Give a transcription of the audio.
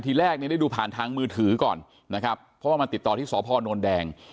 ทีแรกเนี่ยได้ดูผ่านทางมือถือก่อนนะครับเพราะว่ามาติดต่อที่สพนแดง